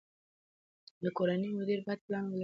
د کورنۍ مدیر باید پلان ولري.